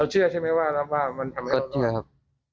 เราเชื่อใช่ไหมว่ามันทำให้เรารอ